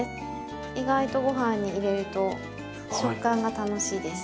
意外とご飯に入れると食感が楽しいです。